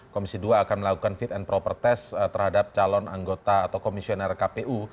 komisi dua akan melakukan fit and proper test terhadap calon anggota atau komisioner kpu